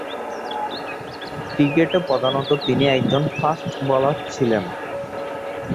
ক্রিকেটে প্রধানতঃ তিনি একজন ফাস্ট বোলার ছিলেন।